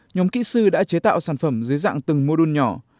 nhóm kỹ sư đã chế tạo sản phẩm dưới dạng từng mô đun nhỏ